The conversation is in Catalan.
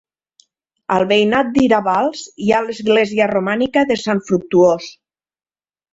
Al veïnat d'Iravals hi ha l'església romànica de Sant Fructuós.